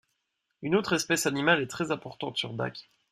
Une autre espèce animal est très importante sur Dac.